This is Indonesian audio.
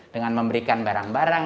dengan memberikan barang barang